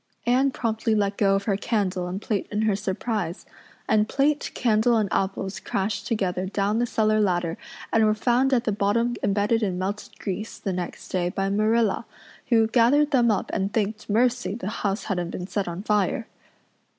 Anne promptly let go of her candle and plate in her surprise, and plate, candle, and apples crashed together down the cellar ladder and were found at the bottom embedded in melted grease, the next day, by Marilla, who gathered them up and thanked mercy the house hadn't been set on fire.